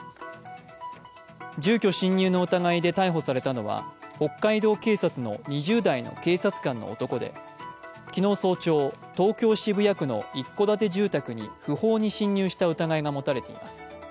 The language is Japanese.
住居侵入の疑いで逮捕されたのは、北海道警察の２０代の警察官の男で昨日早朝、東京・渋谷区の一戸建て住宅に不法に侵入した疑いが持たれています。